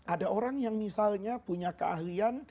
ada orang yang misalnya punya keahlian